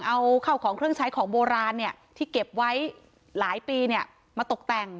เอาข้าวของเครื่องใช้ของโบราณที่เก็บไว้หลายปีมาตกแต่ง